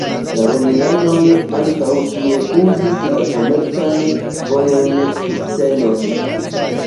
La romianoj ankaŭ tie uzis la komercan vojon "Sukceno".